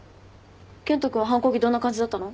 健人君は反抗期どんな感じだったの？